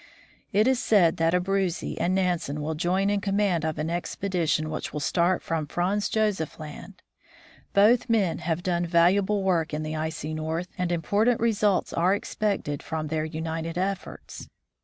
It is said that Abruzzi and Nansen will join in command of an expedition which will start from Franz Josef land. Both men have done valuable work in the icy North, and important results are expected from their united efforts.